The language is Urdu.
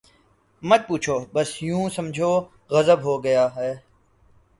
”مت پوچھو بس یوں سمجھو، غضب ہو گیا ہے۔